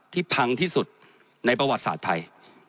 พังที่สุดในประวัติศาสตร์ไทย